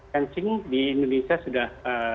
kencing di indonesia sudah